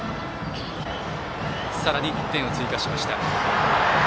さらに１点を追加しました。